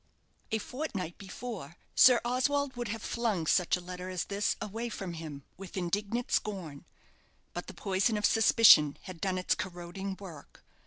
A fortnight before, Sir Oswald would have flung such a letter as this away from him with indignant scorn; but the poison of suspicion had done its corroding work.